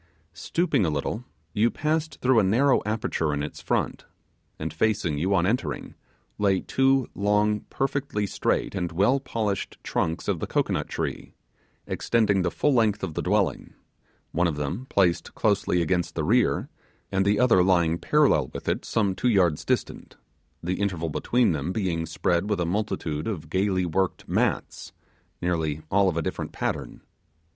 Stooping a little, you passed through a narrow aperture in its front; and facing you, on entering, lay two long, perfectly straight, and well polished trunks of the cocoanut tree, extending the full length of the dwelling; one of them placed closely against the rear, and the other lying parallel with it some two yards distant, the interval between them being spread with a multitude of gaily worked mats, nearly all of a different pattern.